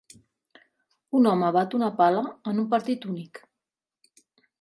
Un home bat una pala en un partit únic.